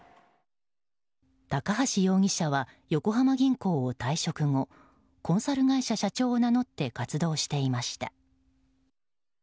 高橋容疑者は横浜銀行を退職後コンサル会社社長を名乗って活動していました。